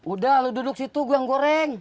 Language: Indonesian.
udah lu duduk situ gue yang goreng